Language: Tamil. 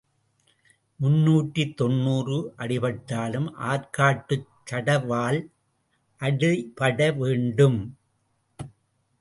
முன்னூற்று தொன்னூறு அடிபட்டாலும் ஆர்க்காட்டுச் சடாவால் அடிபட வேண்டும்.